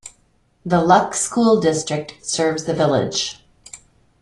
The Luck School District serves the village.